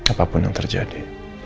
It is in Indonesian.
apapun yang terjadi